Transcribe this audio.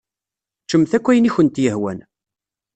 Ččemt akk ayen i kent-yehwan.